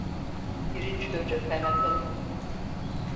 Birinci loca kaymakamın…